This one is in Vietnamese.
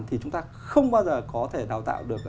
thì chúng ta không bao giờ có thể đào tạo được